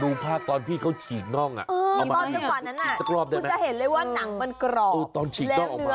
ดูภาพตอนพี่เขาฉีกน่องอ่ะตอนเมื่อที่ก่อนแหวนคุณจะเห็นเลยที่ตอนนั้นนะทีนางเป็นกรอบและหมูตุ้คือชีอล้อมา